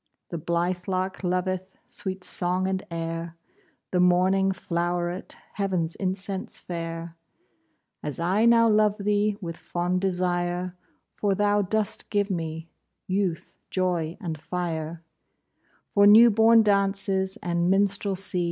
The blithe lark loveth Sweet song and air, The morning flow'ret Heav'n's incense fair, As I now love thee With fond desire, For thou dost give me Youth, joy, and fire, For new born dances And minstrelsy.